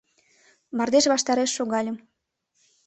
Мардеж ваштареш шогальым